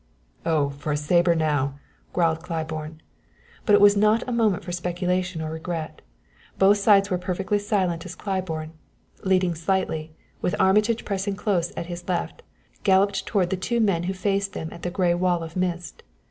"Oh, for a saber now!" growled Claiborne. But it was not a moment for speculation or regret. Both sides were perfectly silent as Claiborne, leading slightly, with Armitage pressing close at his left, galloped toward the two men who faced them at the gray wall of mist.